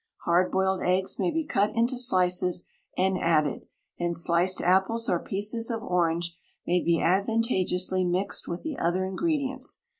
Hard boiled eggs may be cut into slices and added, and sliced apples or pieces of orange may be advantageously mixed with the other ingredients.